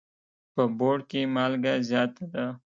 په بوړ کي مالګه زیاته ده.